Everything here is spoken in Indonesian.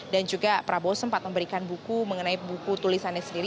dan juga prabowo sempat memberikan buku mengenai buku tulisannya sendiri